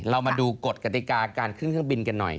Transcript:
เรามาดูกฎกติกาการขึ้นเครื่องบินกันหน่อย